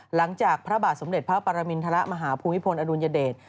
หลังจากพระบาทสมเด็จพระปรมินทรมาฮภูมิพลอดุลยเดช